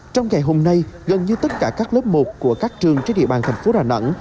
trong ngày hôm nay gần như tất cả các lớp một của các trường trên địa bàn thành phố đà nẵng